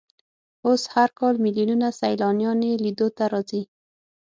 اوس هر کال ملیونونه سیلانیان یې لیدو ته راځي.